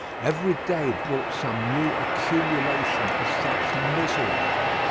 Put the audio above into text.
Every day brought some new accumulation of such misery.